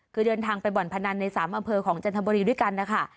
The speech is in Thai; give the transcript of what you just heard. คือเดินทางไปบ่อนพนันใน๓อำเภอของจันทบุรีด้วยกันนะคะ